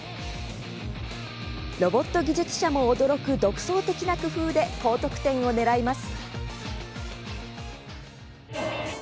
ロボット技術者も驚く独創的な工夫で高得点をねらいます。